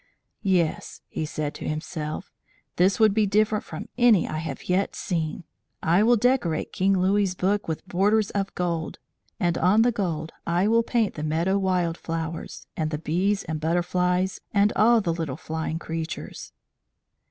"Yes," he said to himself, "this would be different from any I have yet seen! I will decorate King Louis's book with borders of gold; and on the gold I will paint the meadow wildflowers, and the bees and butterflies, and all the little flying creatures."